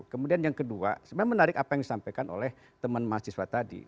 kemudian yang kedua sebenarnya menarik apa yang disampaikan oleh teman mahasiswa tadi